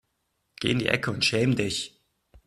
Geh in die Ecke und schäme dich.